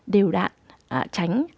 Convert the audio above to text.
đều đạn tránh